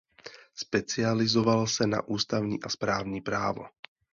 Specializoval se na ústavní a správní právo.